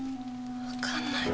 わかんない。